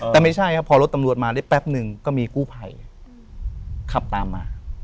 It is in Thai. แต่ไม่ใช่ครับพอรถตำรวจมาได้แป๊บนึงก็มีกู้ภัยขับตามมา